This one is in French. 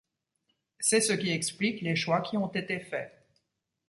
C’est ce qui explique les choix qui ont été faits.